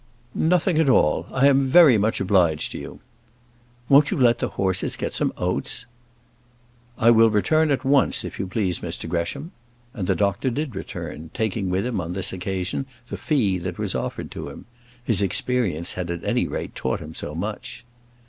"Nothing at all, I am very much obliged to you." "Won't you let the horses get some oats?" "I will return at once, if you please, Mr Gresham." And the doctor did return, taking with him, on this occasion, the fee that was offered to him. His experience had at any rate taught him so much.